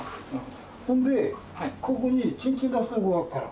ほんでここにチンチン出すとこあっから。